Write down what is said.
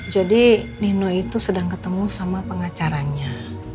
jadi nino itu sedang ketemu sama pengacaranya